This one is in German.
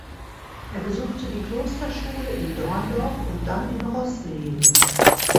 Er besuchte die Klosterschule in Dorndorf und dann in Roßleben.